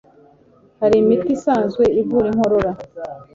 Hari imiti isanzwe ivura inkorora